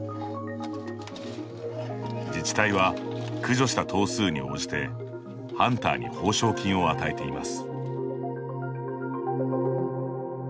自治体は、駆除した頭数に応じてハンターに報奨金を与えています。